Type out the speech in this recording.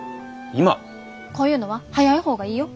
こういうのは早い方がいいよ。